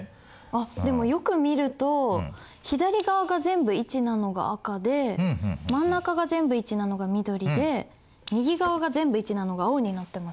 あっでもよく見ると左側が全部１なのが赤で真ん中が全部１なのが緑で右側が全部１なのが青になってますね。